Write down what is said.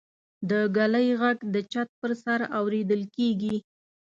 د ږلۍ غږ د چت پر سر اورېدل کېږي.